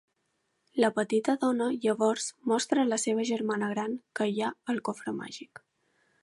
La petita dona llavors mostra a la seva germana gran què hi ha al cofre màgic.